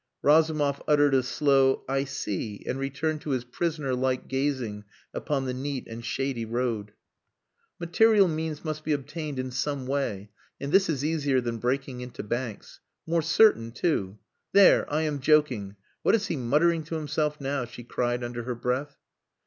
Razumov uttered a slow "I see," and returned to his prisoner like gazing upon the neat and shady road. "Material means must be obtained in some way, and this is easier than breaking into banks. More certain too. There! I am joking.... What is he muttering to himself now?" she cried under her breath.